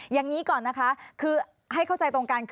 ให้เข้าใจตรงการ